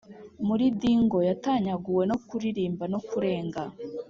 muri dingle yatanyaguwe no kuririmba no kurenga